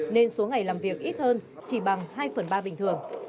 nên số ngày làm việc ít hơn chỉ bằng hai phần ba bình thường